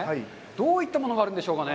どういったものがあるんでしょうかね。